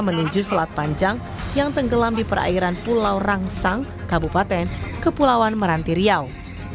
menuju selat panjang yang tenggelam di perairan pulau rangsang kabupaten kepulauan meranti riau